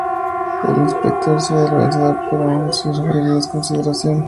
El inspector sale vencedor pero aun así sufre heridas de consideración.